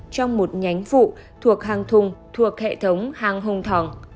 trong một nhánh phụ thuộc hang thùng thuộc hệ thống hang hùng thòn